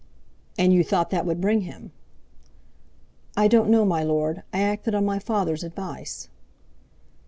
"And you thought that would bring him?" "I don't know, my Lord, I acted on my father's advice."